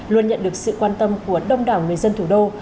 luôn nhận được sự quan tâm của đông đảo người dân thủ đô